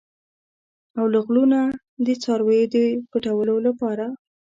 او له غلو نه د څارویو د پټولو لپاره.